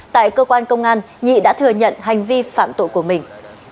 tại cơ quan công an nhị đã thừa nhận hành vi phạm tội của mình